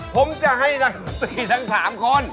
ผมจะให้นัก๔ทั้ง๓คน